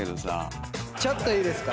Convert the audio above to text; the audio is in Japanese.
「ちょっといいですか？